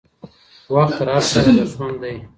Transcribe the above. وخت تر هر څه ارزښتمن دی.